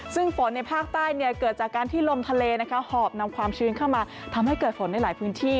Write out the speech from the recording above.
ซึ่งฝนในภาคใต้เกิดจากการที่ลมทะเลหอบนำความชื้นเข้ามาทำให้เกิดฝนในหลายพื้นที่